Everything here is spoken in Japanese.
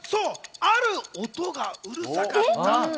ある音がうるさかった。